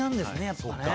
やっぱね。